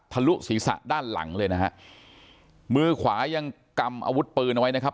ลุศีรษะด้านหลังเลยนะฮะมือขวายังกำอาวุธปืนเอาไว้นะครับ